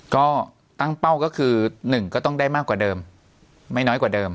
ก็ตั้งเป้าก็คือ๑ก็ต้องได้มากกว่าเดิมไม่น้อยกว่าเดิม